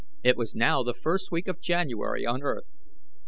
It was now the first week of January on earth.